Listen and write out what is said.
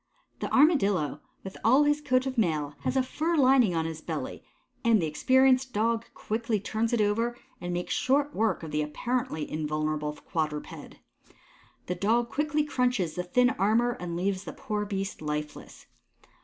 The Armadillo, with all his coat of mail, has a fur lining on his belly, and the experienced Dog quickly turns it over and makes short work of the apparently invulnerable quadruped. The Dog quickly crunches the thin armour and leaves the poor beast lifeless.